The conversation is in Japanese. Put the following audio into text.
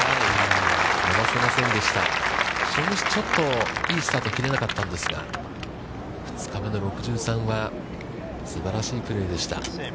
初日、ちょっといいスタートを切れなかったんですが２日目の６３は、すばらしいプレーでした。